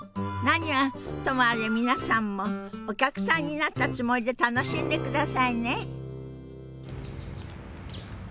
何はともあれ皆さんもお客さんになったつもりで楽しんでくださいね。